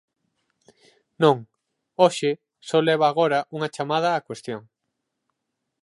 Non, hoxe só leva agora unha chamada á cuestión.